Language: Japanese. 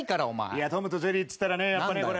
いや『トムとジェリー』っつったらねやっぱねこれ。